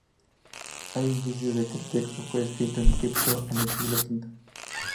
Hay indicios de que el texto fue escrito en Egipto en el siglo quinto.